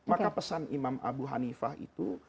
maka pesan imam abu hanifah itu